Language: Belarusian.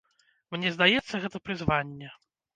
Мне здаецца, гэта прызванне.